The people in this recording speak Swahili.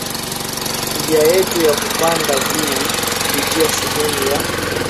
njia yetu ya kupanda juu kupitia sehemu ya